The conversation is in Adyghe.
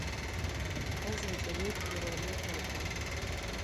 Тэ зэкӏэми перроным тэкӏо.